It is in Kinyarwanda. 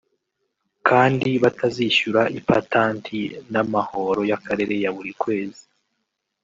kandi batazishyura ipatanti n’amahoro y’akarere ya buri kwezi